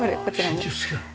真鍮好きなの？